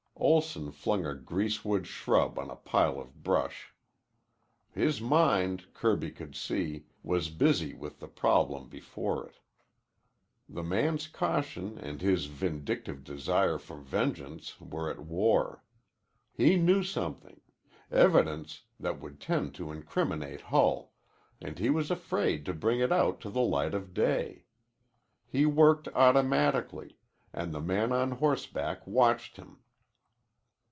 Olson flung a greasewood shrub on a pile of brush. His mind, Kirby could see, was busy with the problem before it. The man's caution and his vindictive desire for vengeance were at war. He knew something, evidence that would tend to incriminate Hull, and he was afraid to bring it to the light of day. He worked automatically, and the man on horseback watched him.